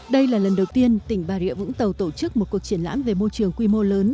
đây là lần đầu tiên tỉnh bà rịa vũng tàu tổ chức một cuộc triển lãm về môi trường quy mô lớn